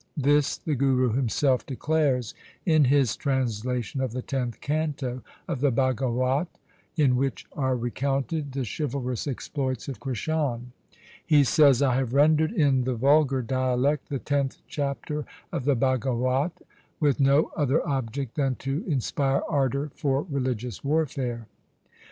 This the Guru himself declares in his transla tion of the tenth canto of the Bhagawat, in which are recounted the chivalrous exploits of Krishan. He says, ' I have rendered in the vulgar dialect the tenth chapter of the Bhagawat with no other object than to inspire ardour for religious warfare.'